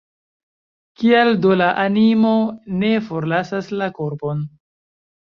Kial do la animo ne forlasas la korpon?